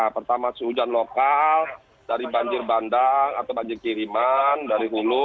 pertama sehujan lokal dari banjir bandang atau banjir kiriman dari hulu